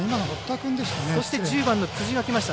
そして１０番の辻がきました。